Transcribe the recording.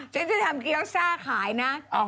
ฉันจะทำเกี้ยวซ่าขายนะ